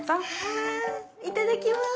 ああいただきます。